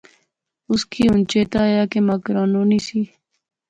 اُس کی ہن چیتا آیا کہ مک رانو نی سی